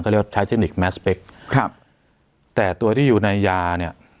เรียกว่าใช้เทคนิคแมสเปคครับแต่ตัวที่อยู่ในยาเนี่ย